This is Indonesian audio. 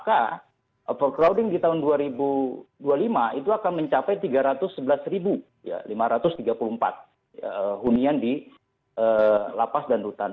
maka overcrowding di tahun dua ribu dua puluh lima itu akan mencapai tiga ratus sebelas lima ratus tiga puluh empat hunian di lapas dan rutan